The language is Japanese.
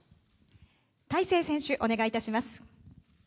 大勢選手、お願いいたします。